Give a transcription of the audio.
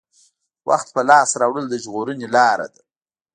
وخت په لاس راوړل د ژغورنې لاره ده.